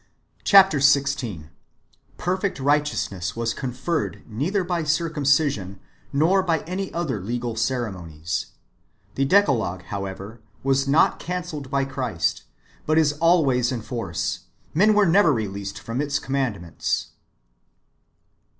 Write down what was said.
Chap. xvi. — Perfect oighteousness ivas conferred neither hy circumcision nor hy any other legal ceremonies» The DecaloguCy hoivever, was not cancelled hy Christ, hut is always in force : men ivere never released from its com mandments.